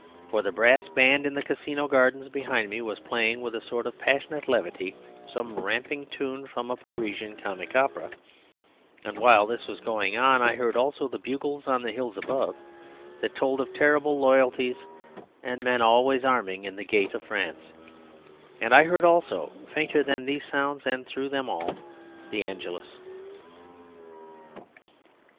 For the brass band in the Casino gardens behind me was playing with a sort of passionate levity some ramping tune from a Parisian comic opera, and while this was going on I heard also the bugles on the hills above, that told of terrible loyalties and men always arming in the gate of France; and I heard also, fainter than these sounds and through them all, the Angelus.